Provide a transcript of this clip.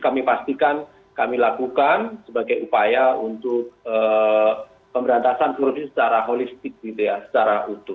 kami pastikan kami lakukan sebagai upaya untuk pemberantasan korupsi secara holistik gitu ya secara utuh